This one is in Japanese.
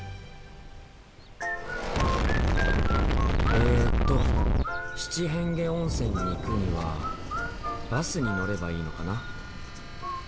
えと七変化温泉に行くにはバスに乗ればいいのかな？